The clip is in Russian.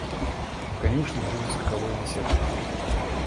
В конюшне и у скаковой беседки.